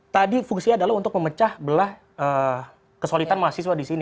tadi fungsinya adalah untuk memecah belah kesulitan mahasiswa di sini